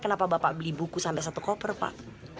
kenapa bapak beli buku sampai satu koper pak